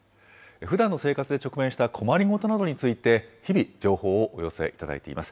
ふだんの生活で直面した困りごとなどについて、日々、情報をお寄せいただいております。